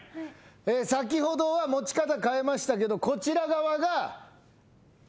先ほどは持ち方変えましたけどこちら側がジョーカーでした。